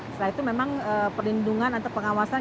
setelah itu memang perlindungan atau pengawasan